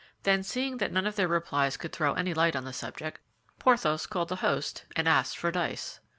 Then, seeing that none of their replies could throw any light on the subject, Porthos called the host and asked for dice.